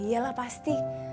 iya lah pasti